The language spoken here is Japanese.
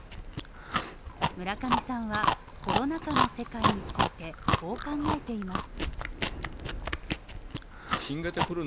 村上さんは、コロナ禍の世界についてこう考えています。